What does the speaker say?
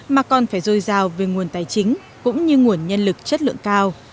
mà còn phải dồi dào về nguồn tài chính cũng như nguồn nhân lực chất lượng cao